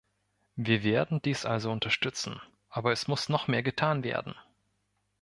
Wir werden dies also unterstützen, aber es muss noch mehr getan werden.